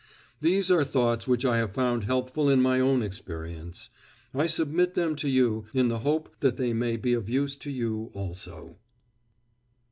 These are thoughts which I have found helpful in my own experience; I submit them to you, in the hope that they may be of use to you also.